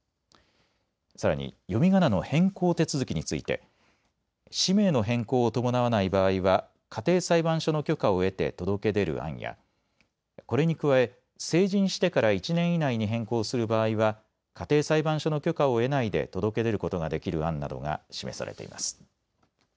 さらに読みがなの変更手続きについて氏名の変更を伴わない場合は家庭裁判所の許可を得て届け出る案やこれに加え成人してから１年以内に変更する場合は家庭裁判所の許可を得ないで届け出ることができる案などが示されています。